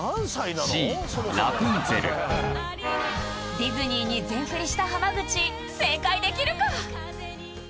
ディズニーに全振りした濱口正解できるか！？